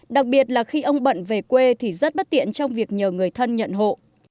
đặc biệt là khi ông bận về quê thì rất bất tiện trong việc nhờ người thân nhận hộ